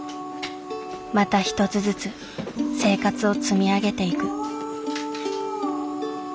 また一つずつ生活を積み上げていく。